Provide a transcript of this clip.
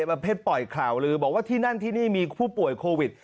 ประเภทปล่อยข่าวลือบอกว่าที่นั่นที่นี่มีผู้ป่วยโควิด